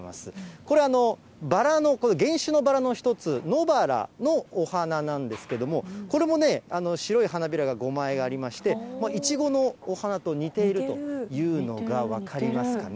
これはバラの、原種のバラの一つ、ノバラのお花なんですけれども、これも白い花びらが５枚ありまして、イチゴのお花と似ているというのが分かりますかね。